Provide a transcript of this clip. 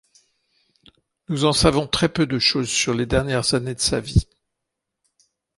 Nous en savons très peu de choses sur les dernières années de sa vie.